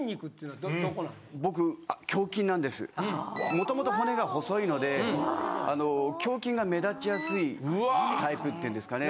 もともと骨が細いので胸筋が目立ちやすいタイプっていうんですかね。